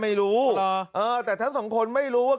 การนอนไม่จำเป็นต้องมีอะไรกัน